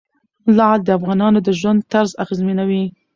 لعل د افغانانو د ژوند طرز اغېزمنوي.